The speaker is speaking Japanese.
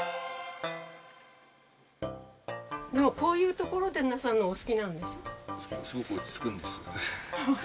でもこういうところでなさるのがお好きなんです？